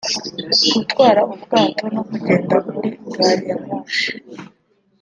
gutwara ubwato no kugenda muri gari ya moshi